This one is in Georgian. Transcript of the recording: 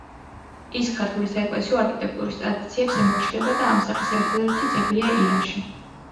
ის ქართული საეკლესიო არქიტექტურის ტრადიციებს ემორჩილება და ამ სახის ერთადერთი ძეგლია ირანში.